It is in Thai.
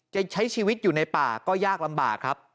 จะใช้ชีวิตอยู่ในป่าก็ยากลำบากครับ